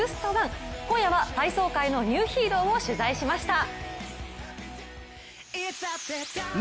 今夜は、体操界のニューヒーローを取材しました。